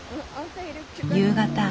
夕方。